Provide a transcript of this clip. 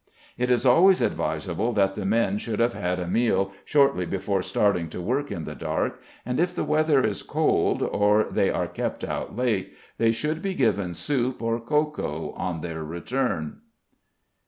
It is always advisable that the men should have had a meal shortly before starting to work in the dark, and if the weather is cold, or they are kept out late, they should be given soup or cocoa on their return.